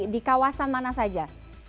di kawasan mana saja